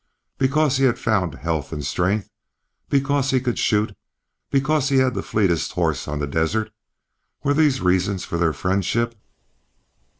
Because he had found health and strength, because he could shoot, because he had the fleetest horse on the desert, were these reasons for their friendship?